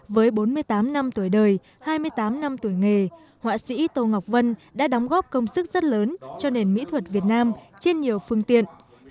với bốn mươi tám năm tuổi đời hai mươi tám năm tuổi nghề họa sĩ tô ngọc vân đã đóng góp công sức rất lớn cho nền mỹ thuật việt nam trên nhiều phương tiện